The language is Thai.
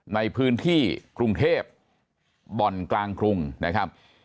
ในพื้นที่กรุงเทพบ่อนกลางกรุงนะครับ